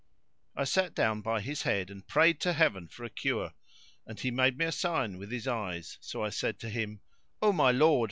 I sat down by his head and prayed to Heaven for a cure; and he made me a sign with his eyes, so I said to him, "O my lord!